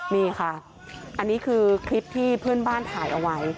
นี่ค่ะอันนี้คือคลิปที่เพื่อนบ้านถ่ายเอาไว้